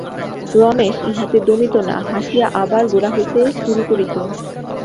রমেশ ইহাতে দমিত না, হাসিয়া আবার গোড়া হইতে শুরু করিত।